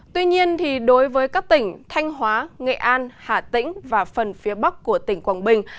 tuy nhiên đối với các tỉnh thanh hóa nghệ an hà tĩnh và phần phía bắc của tỉnh quảng bình